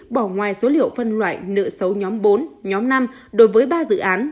bỏ ngoài số liệu phân loại nợ xấu nhóm bốn nhóm năm đối với ba dự án